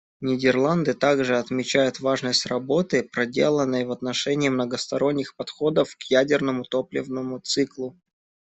Нидерланды также отмечают важность работы, проделанной в отношении многосторонних подходов к ядерному топливному циклу.